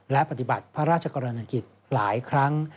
และปฏิบัติพระราชกรณีกิจหลายครั้ง